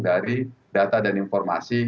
dari data dan informasi